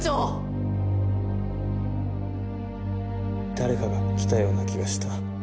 誰かが来たような気がした。